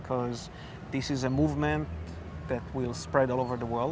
karena ini adalah pergerakan yang akan berseparah di seluruh dunia